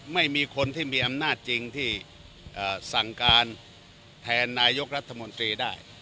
ไม่มีคนที่มีอำนาจจริงที่สั่งการแทนนายกรัฐมนตรีได้